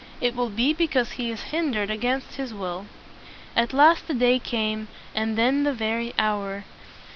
It will be because he is hin dered against his will." At last the day came, and then the very hour.